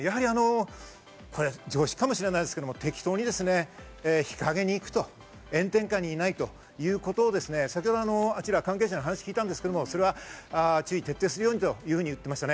常識かもしれませんが、適当に日陰に行く、炎天下にいないということを先程あちら関係者の方に伺いましたが、徹底するようにと言っていました。